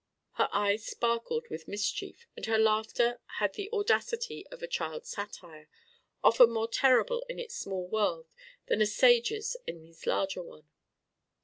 Her eyes sparkled with mischief, and her laughter had the audacity of a child's satire, often more terrible in its small world than a sage's in his larger one.